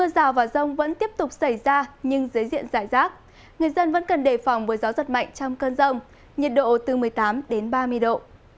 cần đề phòng gió rất mạnh trong cơn rông nhiệt độ từ một mươi tám đến ba mươi độ